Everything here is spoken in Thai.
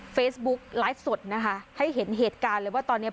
เฟซบุ๊กไลฟ์สดนะคะให้เห็นเหตุการณ์เลยว่าตอนเนี้ย